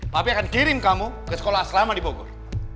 tapi akan kirim kamu ke sekolah selama di bogor